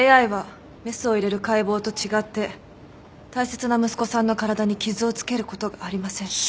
Ａｉはメスを入れる解剖と違って大切な息子さんの体に傷をつけることがありません。